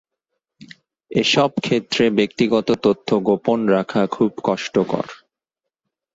এসব ক্ষেত্রে ব্যক্তিগত তথ্য গোপন রাখা খুব কষ্টকর।